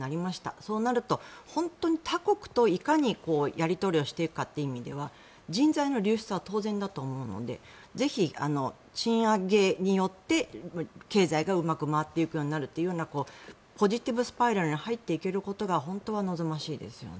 そうすると、他国といかにやり取りをしていくかという意味では人材の流出は当然だと思うのでぜひ賃上げによって経済がうまく回っていくようになるというようなポジティブスパイラルに入っていけることが本当は望ましいですよね。